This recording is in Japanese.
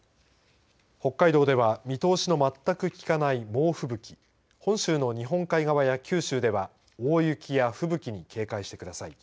北海道では見通しの全く利かない猛吹雪本州の日本海側や九州では大雪や吹雪に警戒してください。